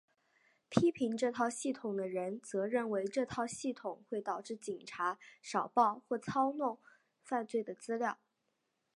批评这套系统的人则认为这套系统会导致警察少报或操弄犯罪的资料。